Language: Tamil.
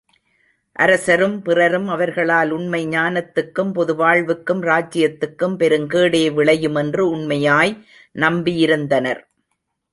அரசரும் பிறரும் அவர்களால் உண்மை ஞானத்துக்கும், பொது வாழ்வுக்கும், ராஜ்யத்துக்கும் பெருங் கேடே விளையுமென்று உண்மையாய் நம்பியிருந்தனர்.